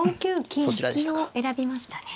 金を選びましたね。